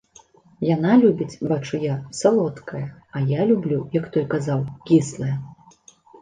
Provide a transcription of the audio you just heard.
Яна любіць, бачу я, салодкае, а я люблю, як той казаў, кіслае.